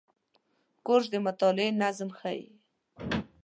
کورس د مطالعې نظم ښيي.